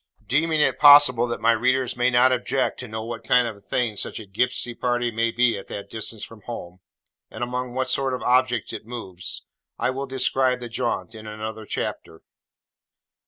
Deeming it possible that my readers may not object to know what kind of thing such a gipsy party may be at that distance from home, and among what sort of objects it moves, I will describe the jaunt in another chapter.